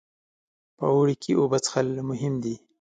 په اوړي کې اوبه څښل مهم دي.